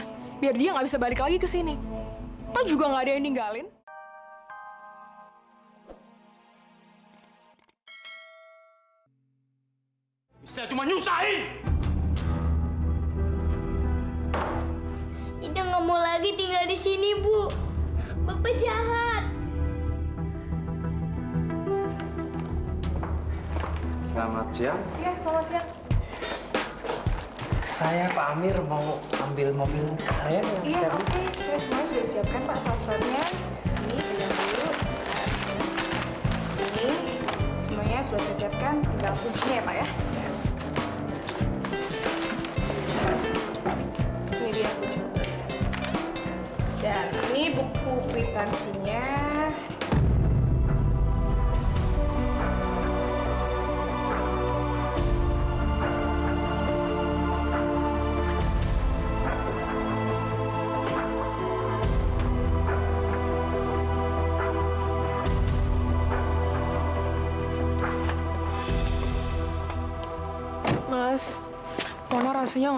sampai jumpa di video selanjutnya